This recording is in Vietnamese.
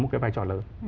một cái vai trò lớn